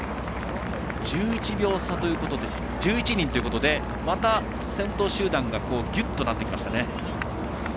１１人ということでまた、先頭集団がぎゅっとなってきました。